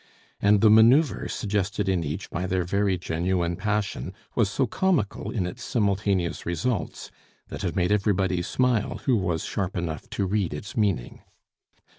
And the manoeuvre suggested in each by their very genuine passion was so comical in its simultaneous results, that it made everybody smile who was sharp enough to read its meaning.